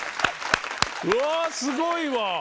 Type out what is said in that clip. うわすごいわ。